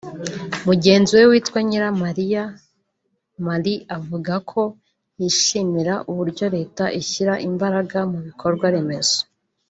Mugenzi we witwa Nyiramayira Marie avuga ko yishimira uburyo Leta ishyira imbaraga mu bikorwa remezo